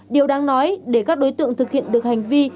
điều đáng nói để các đối tượng thực hiện được hành vi